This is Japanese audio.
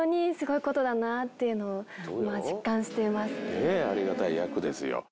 ねえありがたい役ですよ。